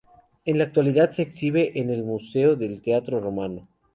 En la actualidad, se exhibe en el Museo del Teatro Romano.